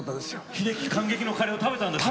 「秀樹カンゲキ！」のカレーを食べたんですね。